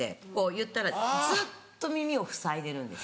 いったらずっと耳をふさいでるんです。